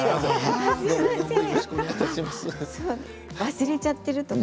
忘れちゃっているとか？